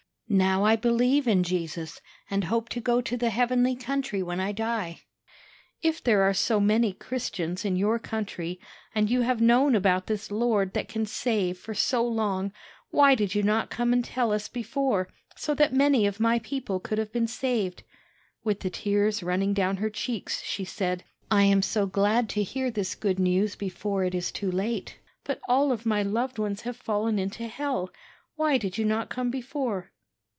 Now I believe in Jesus, and hope to go to the heavenly country when I die. If there are so many Christians in your country, and you have known about this Lord that can save for so long, why did you not come and tell us before, so that many of my people could have been saved?' With the tears running down her cheeks, she said: 'I am so glad to hear this good news before it it too late; but all of my loved ones have fallen into hell. Why did you not come before?'